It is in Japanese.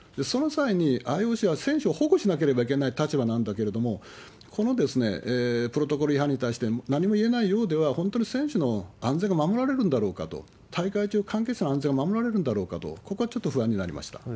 その際に、ＩＯＣは選手を保護しなければいけない立場なんだけれども、このプロトコル違反に対して何も言えないようでは、本当に選手の安全が守られるんだろうかと、大会中、関係者の安全が守られるんだろうかと、ここはちょっと不安になりました。